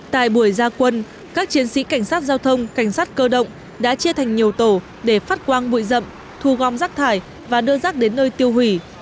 tại buổi gia quân các chiến sĩ cảnh sát giao thông cảnh sát cơ động đã chia thành nhiều tổ để phát quang bụi rậm thu gom rác thải và đưa rác đến nơi tiêu hủy